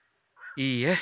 いいえ。